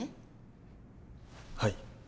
はい。